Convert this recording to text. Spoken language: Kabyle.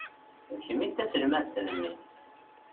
D kemm i d taselmadt n mmi.